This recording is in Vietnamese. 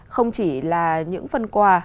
không chỉ là những phần quà